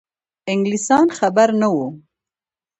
انګلیسیان خبر نه وه.